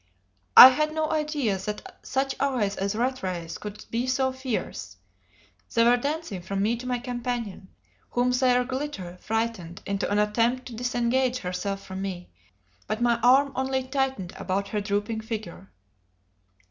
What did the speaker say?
I had no idea that such eyes as Rattray's could be so fierce: they were dancing from me to my companion, whom their glitter frightened into an attempt to disengage herself from me; but my arm only tightened about her drooping figure.